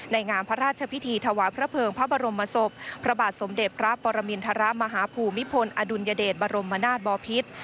งามพระราชพิธีถวายพระเภิงพระบรมศพพระบาทสมเด็จพระปรมินทรมาฮภูมิพลอดุลยเดชบรมนาศบอพิษ